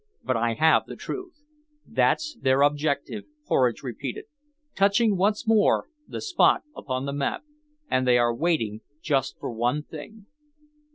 But I have the truth. That's their objective," Horridge repeated, touching once more the spot upon the map, "and they are waiting just for one thing."